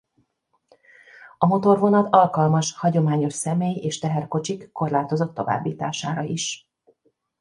A motorvonat alkalmas hagyományos személy- és teherkocsik korlátozott továbbítására is.